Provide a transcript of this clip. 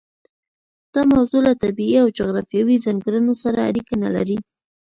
دا موضوع له طبیعي او جغرافیوي ځانګړنو سره اړیکه نه لري.